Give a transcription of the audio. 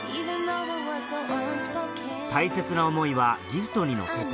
大切な思いはギフトに乗せて